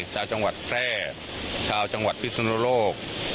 ชาวจังหวัดแพร่ชาวจังหวัดพิศนุโลก